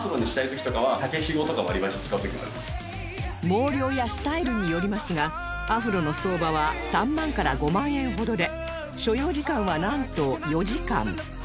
毛量やスタイルによりますがアフロの相場は３万から５万円ほどで所要時間はなんと４時間